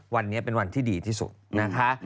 วันนี้เป็นวันที่ดีที่สุดนะคะ